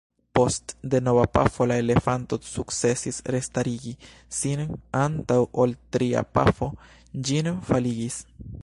Post denova pafo la elefanto sukcesis restarigi sin antaŭ ol tria pafo ĝin faligis.